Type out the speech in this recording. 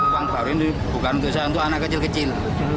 uang baru ini bukan untuk anak kecil kecil